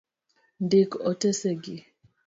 Ndik otese gi.